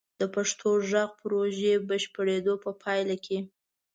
د پښتو غږ پروژې بشپړیدو په پایله کې: